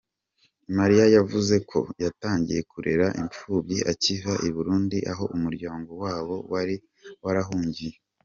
Mariya yavuze ko yatangiye kurera imfubyi akiva i Burundi aho umuryango wabo wari warahungiye.